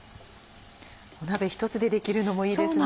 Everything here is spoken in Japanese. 鍋１つでできるのもいいですね。